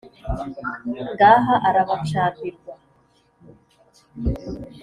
ngaha arabacambirwa